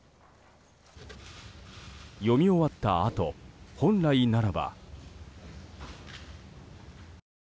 読み終わったあと本来ならば。